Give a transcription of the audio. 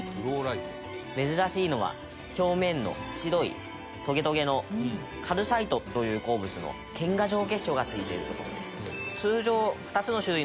珍しいのは表面の白いトゲトゲのカルサイトという鉱物の犬牙状結晶が付いているところです。